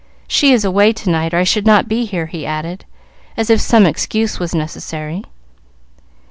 She is away to night, or I should not be here," he added, as if some excuse was necessary.